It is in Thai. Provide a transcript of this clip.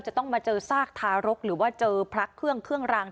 จะต้องมาเจอซากทารกหรือว่าเจอพระเครื่องเครื่องรัง